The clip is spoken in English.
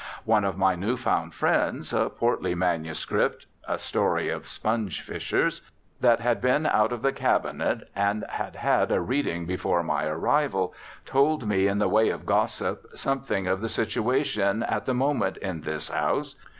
One of my new found friends, a portly manuscript (a story of sponge fishers) that had been out of the cabinet and had had a reading before my arrival, told me in the way of gossip something of the situation at the moment in this house.